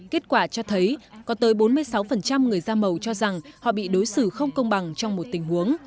kết quả cho thấy có tới bốn mươi sáu người da màu cho rằng họ bị đối xử không công bằng trong một tình huống